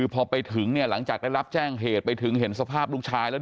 พอไปถึงเนี่ยหลังจากได้รับแจ้งเหตุไปถึงเห็นสภาพลูกชายแล้ว